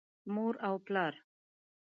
مور او پلار